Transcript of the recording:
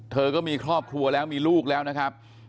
เธอก็มีครอบครัวแล้วมีลูกแล้วนะครับ